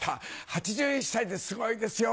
８１歳ですごいですよ。